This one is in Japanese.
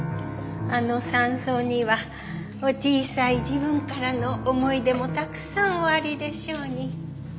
あの山荘にはお小さい時分からの思い出もたくさんおありでしょうに。